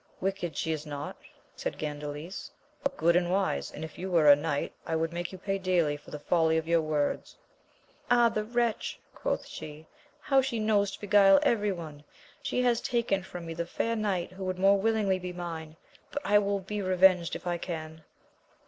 Wicked she is not, said Gandales, but good and wise, and if you were a knight I would make you pay dearly for the folly of your words. Ah, the wretch, quoth she, how she knows to beguile every, one ! she has taken from me the fair knight who would more willingly be mine, but I will be revenged if I can.